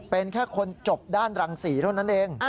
เป็นแค่คนจบด้านรังศรีเท่านั้นเอง